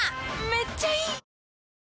めっちゃいい！